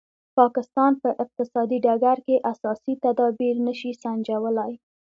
پاکستان په اقتصادي ډګر کې اساسي تدابیر نه شي سنجولای.